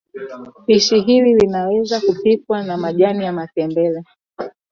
Pishi hili laweza kupikwa na majani ya matembele